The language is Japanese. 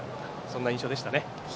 そんな印象でしたね。